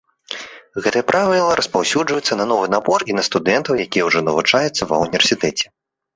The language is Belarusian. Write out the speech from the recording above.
Гэтае правіла распаўсюджваецца на новы набор і на студэнтаў, якія ўжо навучаюцца ва ўніверсітэце.